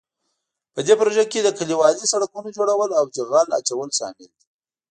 په دې پروژو کې د کلیوالي سړکونو جوړول او جغل اچول شامل دي.